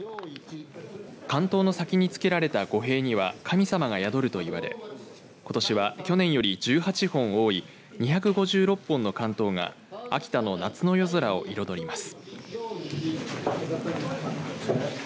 竿燈の先につけられた御幣には神様が宿ると言われことしは去年より１８本多い２５６本の竿燈が秋田の夏の夜空を彩ります。